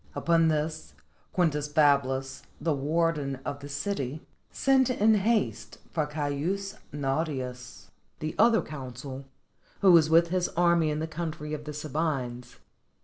Upon this, Quintus Fablus, the warden of the city, sent in haste for Caius Nautius, the other consul, who was with his army in the country of the Sabines.